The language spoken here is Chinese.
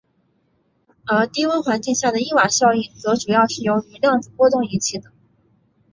而低温环境下的因瓦效应则主要是由于量子波动引起的。